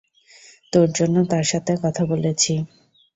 তোর জন্য তার সাথে কথা বলেছি।